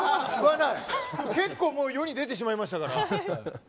結構世に出てしまいましたから。